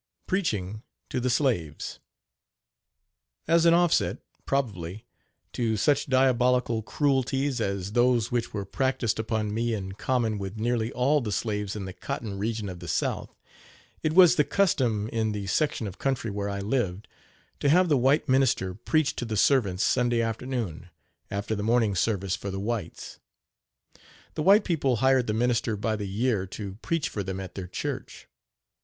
PREACHING TO THE SLAVES. As an offset, probably, to such diabolical cruelties as those which were practiced upon me in common with nearly all the slaves in the cotton region of the south, it was the custom in the section of country where I lived to have the white minister preach to the servants Sunday afternoon, after the morning service for the whites. The white people hired the minister by the year to preach for them at their church.